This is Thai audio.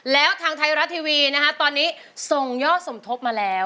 แล้วทางไทยรัฐทีวีนะคะตอนนี้ส่งยอดสมทบมาแล้ว